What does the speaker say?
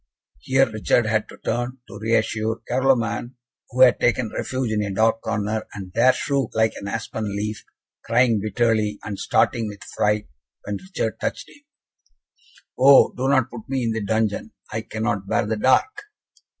Here Richard had to turn, to reassure Carloman, who had taken refuge in a dark corner, and there shook like an aspen leaf, crying bitterly, and starting with fright, when Richard touched him. "Oh, do not put me in the dungeon. I cannot bear the dark."